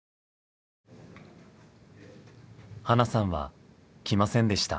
ハナさんは来ませんでした。